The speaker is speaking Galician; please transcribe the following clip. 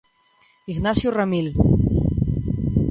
Ignacio Ramil.